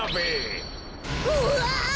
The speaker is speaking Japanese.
うわ！